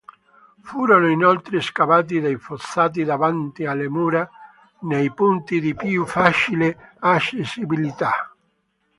Furono inoltre scavati dei fossati davanti alle mura nei punti di più facile accessibilità.